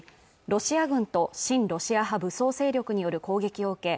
ロシア軍と親ロシア派武装勢力による攻撃を受け